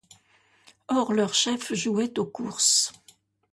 Or, leur chef jouait aux courses.